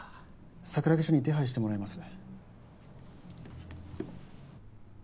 桜木署に手配してもらいます。